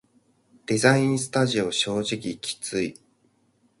デザインスタジオ正直きつい